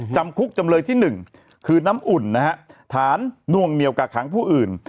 จำคุกจำเลยที่๑คือน้ำอุ่นนะฮะฐานนวงเหนียวกากหางผู้อื่น